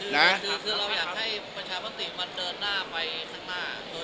คือเราอยากให้ประชามติมันเดินหน้าไปข้างหน้า